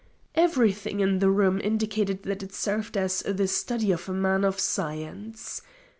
Everything in the room indicated that it served as the study of a man of science.